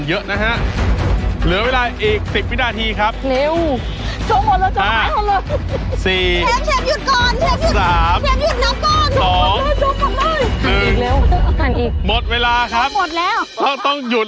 เหลือเวลาอีก๓๐วินาทีแล้วคุณ